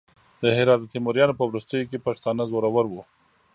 د هرات د تیموریانو په وروستیو کې پښتانه زورور وو.